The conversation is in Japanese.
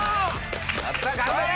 やった頑張れ！